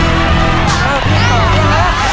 สวัสดีครับ